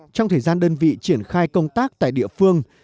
trong thời gian đơn vị triển khai công tác tại địa phương